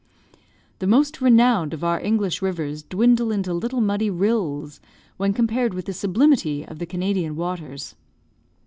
The most renowned of our English rivers dwindle into little muddy rills when compared with the sublimity of the Canadian waters.